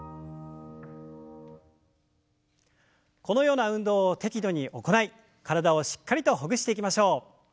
このような運動を適度に行い体をしっかりとほぐしていきましょう。